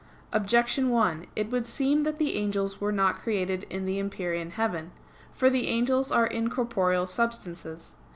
Objection 1: It would seem that the angels were not created in the empyrean heaven. For the angels are incorporeal substances.